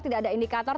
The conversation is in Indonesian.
tidak ada indikator